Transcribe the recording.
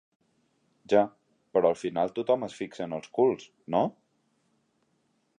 Ja, però al final tothom es fixa en els culs, no?